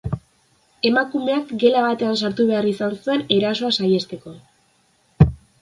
Emakumeak gela batean sartu behar izan zuen erasoa saihesteko.